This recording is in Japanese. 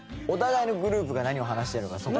お互いのグループが何を話してるのか。